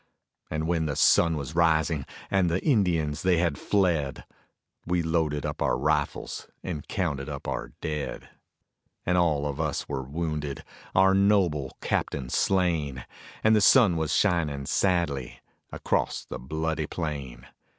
And when the sun was rising and the Indians they had fled, We loaded up our rifles and counted up our dead. And all of us were wounded, our noble captain slain, And the sun was shining sadly across the bloody plain.